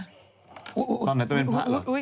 ตอนไหนต้องเป็นพระหรอ